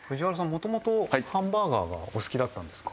元々ハンバーガーがお好きだったんですか？